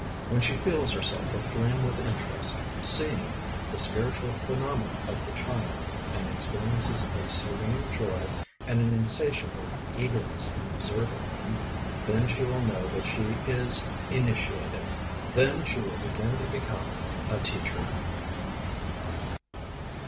When she feels herself, aflame with interest, "seeing" the spiritual phenomena of the child, and experiences a serene joy and an insatiable eagerness in observing them, then she will know that she is "initiated." Then she will begin to become a "teacher."